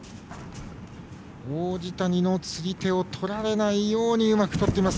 王子谷の釣り手をとられないようにうまくとっています。